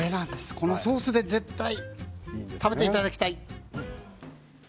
このソースで絶対食べていただきたい。